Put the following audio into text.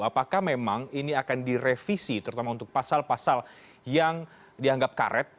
apakah memang ini akan direvisi terutama untuk pasal pasal yang dianggap karet